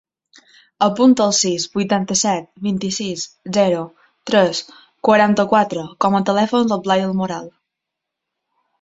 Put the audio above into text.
Apunta el sis, vuitanta-set, vint-i-sis, zero, tres, quaranta-quatre com a telèfon del Blai Del Moral.